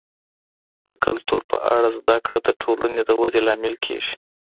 د کلتور په اړه زده کړه د ټولنې د ودي لامل کیږي.